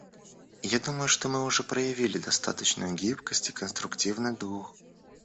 Я думаю, что мы уже проявили достаточную гибкость и конструктивный дух.